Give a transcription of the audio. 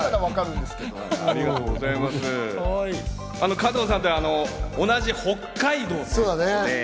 加藤さん、同じ北海道ですよね。